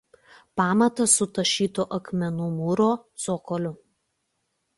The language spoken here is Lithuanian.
Pamatas su tašytų akmenų mūro cokoliu.